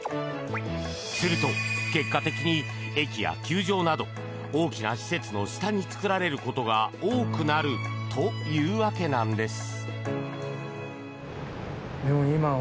すると、結果的に駅や球場など大きな施設の下に作られることが多くなるというわけなんです。